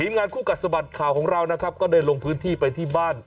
งานคู่กัดสะบัดข่าวของเรานะครับก็ได้ลงพื้นที่ไปที่บ้าน